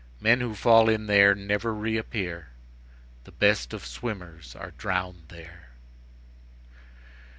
Men who fall in there never reappear; the best of swimmers are drowned there.